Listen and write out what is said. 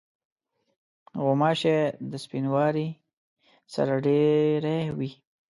غوماشې د سپینواري سره ډېری وي.